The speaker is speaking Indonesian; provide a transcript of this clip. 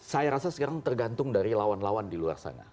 saya rasa sekarang tergantung dari lawan lawan di luar sana